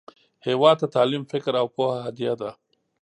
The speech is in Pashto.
هیواد ته تعلیم، فکر، او پوهه هدیه ده